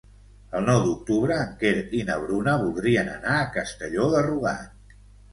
El nou d'octubre en Quer i na Bruna voldrien anar a Castelló de Rugat.